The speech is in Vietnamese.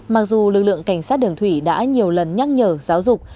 mặc dù lực lượng cảnh sát đường thủy đã nhiều lần nhắc nhở giáo dục